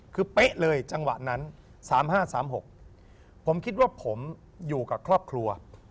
คือเป๊ะเลยจังหวะนั้น๓๕๓๖ผมคิดว่าผมอยู่กับครอบครัว